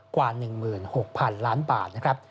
กว่า๑๖๐๐๐ล้านบาทนะครับ